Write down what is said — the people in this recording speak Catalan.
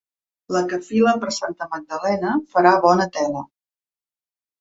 La que fila per Santa Magdalena farà bona tela.